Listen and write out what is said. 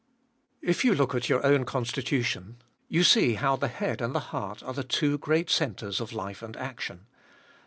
1. If you look at your own constitution, you see how the head and the heart are the two great centres of life and action.